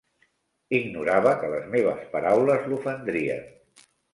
Ignorava que les meves paraules l'ofendrien.